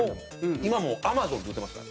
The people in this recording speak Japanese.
今は、もうアマゾンで売ってますから。